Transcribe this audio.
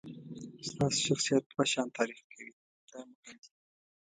ستاسو شخصیت دوه شیان تعریف کوي دا مهم دي.